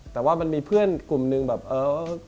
แต่ว่ามันมีเพื่อนกลุ่มหนึ่งแบบเออ